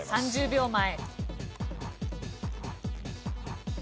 ３０秒前。